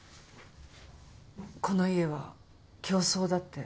この家は凶相だって。